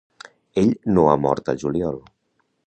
Ell no ha mort al juliol.